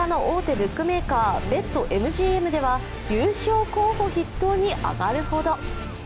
ブックメーカーＢｅｔＭＧＭでは優勝候補筆頭にあがるほど。